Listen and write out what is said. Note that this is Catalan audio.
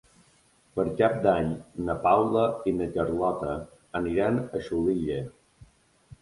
Per Cap d'Any na Paula i na Carlota aniran a Xulilla.